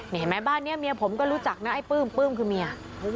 นี่เห็นไหมบ้านนี้เมียผมก็รู้จักนะไอ้ปื้มปลื้มคือเมีย